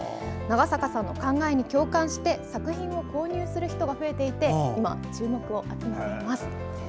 長坂さんの考えに共感して作品を購入する人が増えていて今、注目を集めています。